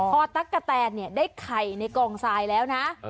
พอตั๊กกะแตนได้ไข่ในกองทรายแล้วนะ